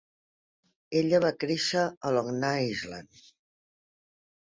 Ella va créixer a Long Island.